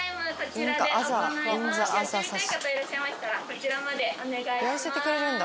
こちらまでお願いします。